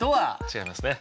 違いますね。